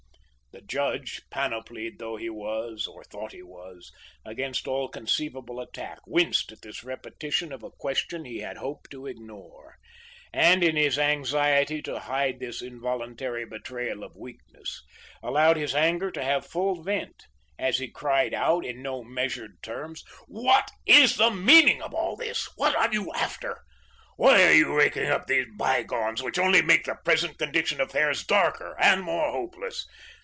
The judge, panoplied though he was or thought he was, against all conceivable attack, winced at this repetition of a question he had hoped to ignore, and in his anxiety to hide this involuntary betrayal of weakness, allowed his anger to have full vent, as he cried out in no measured terms: "What is the meaning of all this? What are you after? Why are you raking up these bygones which only make the present condition of affairs darker and more hopeless?